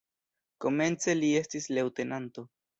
Komence li estis leŭtenanto.